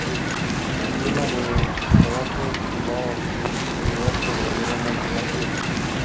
El clima de Tobago es similar al de Trinidad pero levemente más frío.